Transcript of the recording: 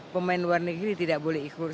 pemain luar negeri tidak boleh ikut